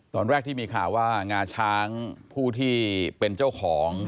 ตอนแรกที่มีข่าวว่างาช้างผู้ที่เป็นเจ้าของ